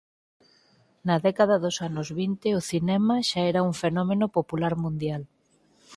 Na década dos anos vinte o cinema xa era un fenómeno popular mundial.